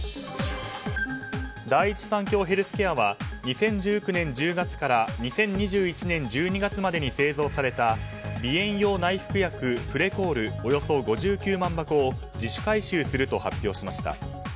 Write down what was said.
第一三共ヘルスケアは２０１９年１０月から２０２１年１２月までに製造された鼻炎用内服薬プレコールおよそ５９万箱を自主回収すると発表しました。